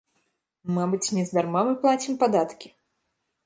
Мабыць, нездарма мы плацім падаткі.